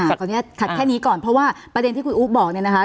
ขออนุญาตขัดแค่นี้ก่อนเพราะว่าประเด็นที่คุณอู๊บบอกเนี่ยนะคะ